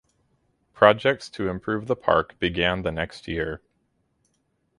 Projects to improve the park began the next year.